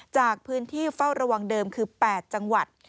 จากพื้นที่เฝ้าระวังเดิมคือ๘จังหวัด